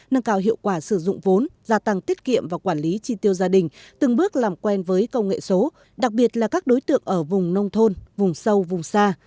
nâng cao hiệu quả sử dụng vốn gia tăng tiết kiệm và quản lý chi tiêu gia đình từng bước làm quen với công nghệ số đặc biệt là các đối tượng ở vùng nông thôn vùng sâu vùng xa